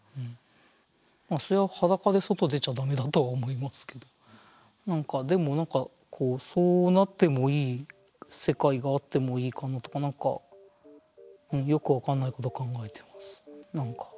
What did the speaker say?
そりゃ裸で外出ちゃダメだと思いますけどでも何かそうなってもいい世界があってもいいかなとか何かよく分かんないこと考えてます。